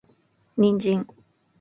人参